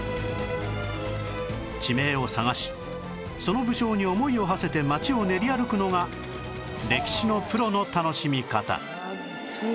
地名を探しその武将に思いをはせて町を練り歩くのが歴史のプロの楽しみ方